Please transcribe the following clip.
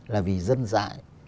là vì dân dại